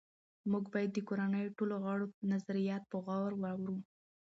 موږ باید د کورنۍ ټولو غړو نظریات په غور واورو